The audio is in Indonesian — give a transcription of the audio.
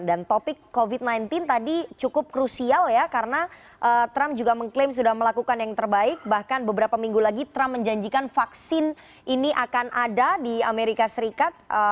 dan topik covid sembilan belas tadi cukup krusial ya karena trump juga mengklaim sudah melakukan yang terbaik bahkan beberapa minggu lagi trump menjanjikan vaksin ini akan ada di amerika serikat